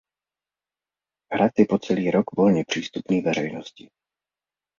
Hrad je po celý rok volně přístupný veřejnosti.